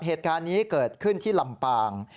เหตุการณ์นี้เกิดขึ้นที่ลำปาง